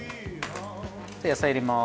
野菜入れます。